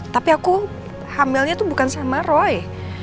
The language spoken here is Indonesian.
tapi aku hamilnya tuh bukan sama roy